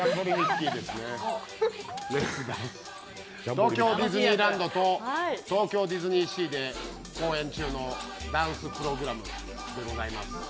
東京ディズニーランドと東京ディズニーシーで公演中のダンスプログラムでございます。